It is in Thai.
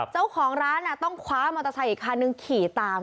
เจ้าของร้านต้องคว้ามอเตอร์ไซค์อีกคันนึงขี่ตาม